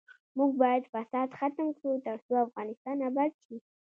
موږ باید فساد ختم کړو ، ترڅو افغانستان اباد شي.